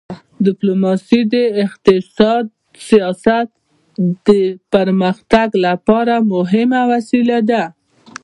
ډیپلوماسي د اقتصادي سیاست د پرمختګ لپاره مهمه وسیله ده.